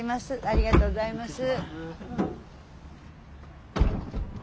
ありがとうございます。